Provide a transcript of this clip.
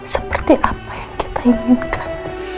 seperti apa yang kita inginkan